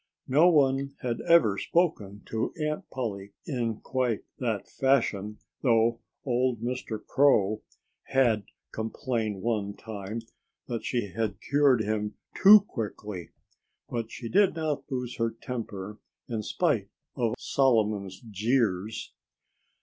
No one had ever spoken to Aunt Polly in quite that fashion—though old Mr. Crow had complained one time that she had cured him too quickly. But she did not lose her temper, in spite of Solomon's jeers.